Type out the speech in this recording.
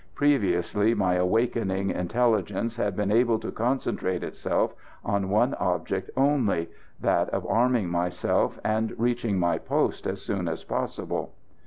Previously, my awakening intelligence had been able to concentrate itself on one object only, that of arming myself, and reaching my post as soon as possible.